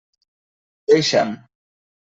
Deixa'm!